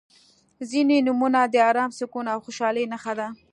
• ځینې نومونه د ارام، سکون او خوشحالۍ نښه ده.